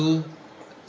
saya berdoa untuk